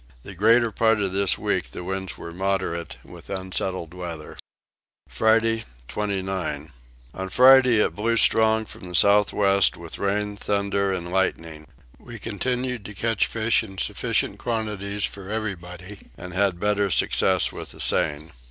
The greater part of this week the winds were moderate with unsettled weather. Friday 29. On Friday it blew strong from the south west with rain, thunder, and lightning. We continued to catch fish in sufficient quantities for everybody and had better success with the seine.